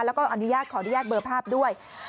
แล้วก็อนุญาตขออนุญาตเบอร์ภาพด้วย